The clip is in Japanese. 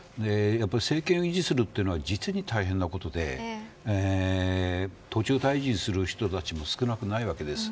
政権を維持するということは実に大変なことで途中退陣する人たちも少なくないわけです。